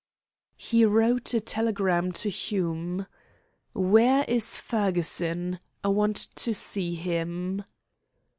He wrote a telegram to Hume: "Where is Fergusson? I want to see him."